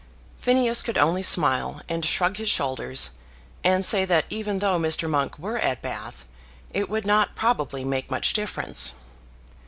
Phineas could only smile, and shrug his shoulders, and say that even though Mr. Monk were at Bath it would not probably make much difference.